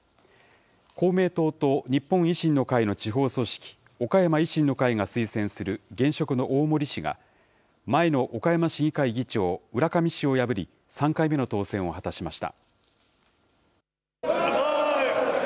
公明党と日本維新の会の地方組織、岡山維新の会が推薦する現職の大森氏が、前の岡山市議会議長、浦上氏を破り、３回目の当選を果たしました。